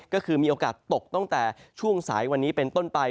ก็คือมีโอกาสตกตั้งแต่ช่วงสายวันนี้เป็นต้นไป